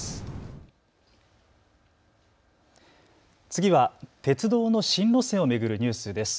次は鉄道の新路線を巡るニュースです。